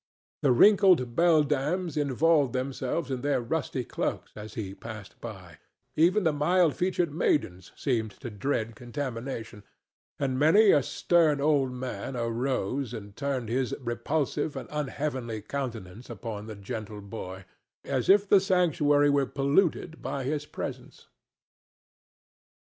The wrinkled beldams involved themselves in their rusty cloaks as he passed by; even the mild featured maidens seemed to dread contamination; and many a stern old man arose and turned his repulsive and unheavenly countenance upon the gentle boy, as if the sanctuary were polluted by his presence.